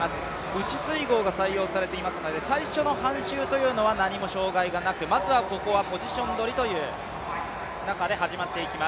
内水濠が採用されていますので、最初の半周は何も障害がなく、まずはここはポジションどりという中で始まっていきます。